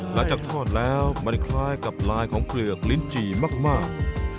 หลังจากทอดแล้วมันคล้ายกับลายของเปลือกลิ้นจี่มาก